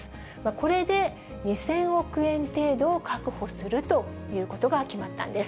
これで２０００億円程度を確保するということが決まったんです。